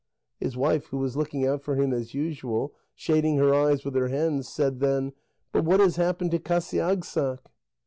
His wife, who was looking out for him as usual, shading her eyes with her hands, said then: "But what has happened to Qasiagssaq?"